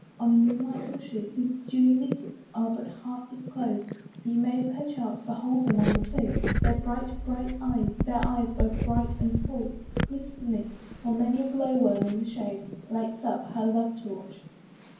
On moonlight bushes, Whose dewy leafits are but half disclos'd, You may perchance behold them on the twigs, Their bright, bright eyes, their eyes both bright and full, Glistning, while many a glow worm in the shade Lights up her love torch.